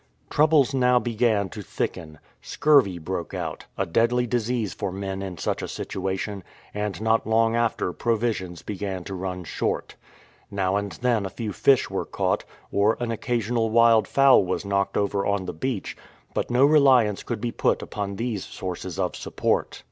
Troubles now began to thicken. Scurvy broke out — a deadly disease for men in such a situation, and not long after provisions began to run short. Now and then a few fish were caught, or an occasional wild fowl was knocked over on the beach, but no reliance could be put upon these sources of support.